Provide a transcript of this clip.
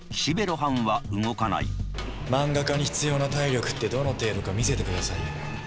漫画家に必要な体力ってどの程度か見せてくださいよ。